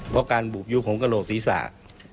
พวกของการบูบยุคงเป็นโรครีสาก